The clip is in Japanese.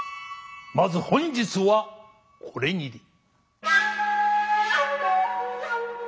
まず本日はこれぎり。